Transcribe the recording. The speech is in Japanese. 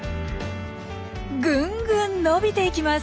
ぐんぐん伸びていきます。